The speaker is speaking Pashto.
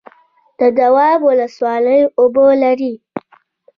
د دواب ولسوالۍ اوبه لري